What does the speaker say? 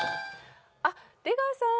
あっ出川さん。